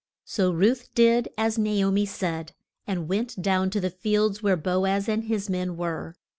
So Ruth did as Na o mi said, and went down to the fields where Bo az and his men were.